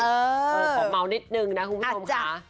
ขอเมานิดนึงนะคุณผู้ชมค่ะ